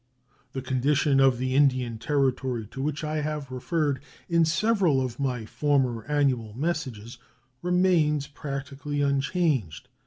The condition of the Indian Territory, to which I have referred in several of my former annual messages, remains practically unchanged.